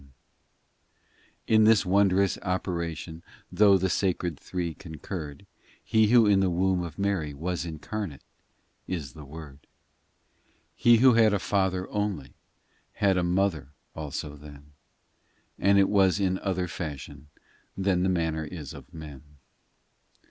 in In this wondrous operation, Though the Sacred Three concurred, He who in the womb of Mary Was incarnate, is the Word. IV He Who had a Father only Had a Mother also then : But it was in other fashion Than the manner is of men.